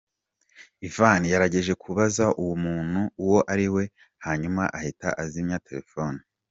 Ivan yagerageje kubaza uwo muntu uwo ariwe hanyuma ahita azimya telefone.”